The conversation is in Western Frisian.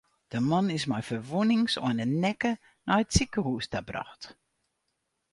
De man is mei ferwûnings oan de nekke nei it sikehûs brocht.